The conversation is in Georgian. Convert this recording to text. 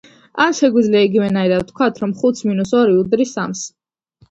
ან შეგვიძლია იგივე ნაირად ვთქვათ, რომ ხუთს მინუს ორი უდრის სამს.